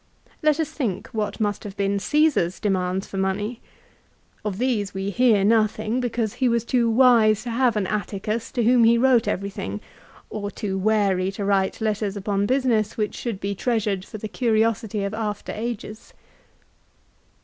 Let us think what must have been Ceesar's demands for money. Of these we hear nothing, be cause he was too wise to have an Atticus to whom he wrote everything, or too wary to write letters upon business which should be treasured for the curiosity of after ages.